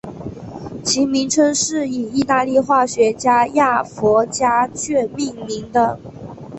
其名称是以义大利化学家亚佛加厥命名的。